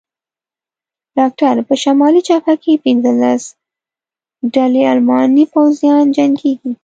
ډاکټر: په شمالي جبهه کې پنځلس ډلې الماني پوځیان جنګېږي.